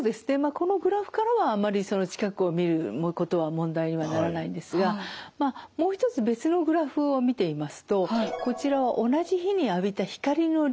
このグラフからはあまり近くを見ることは問題にはならないんですがもう一つ別のグラフを見てみますとこちらは同じ日に浴びた光の量。